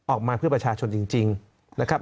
ออกมาเพื่อประชาชนจริงนะครับ